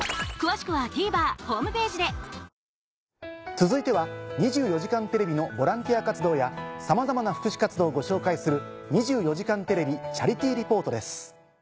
続いては『２４時間テレビ』のボランティア活動や様々な福祉活動をご紹介する。